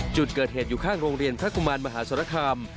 จุดเกิดเหตุอยู่ข้างโรงเรียนพระกุมารมหาสรคาม